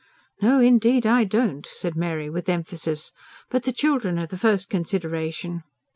"No, indeed I don't," said Mary with emphasis. "But the children are the first consideration.